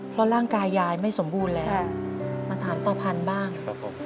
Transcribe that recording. เพราะร่างกายยายไม่สมบูรณ์แล้วมาถามตาพันธุ์บ้าง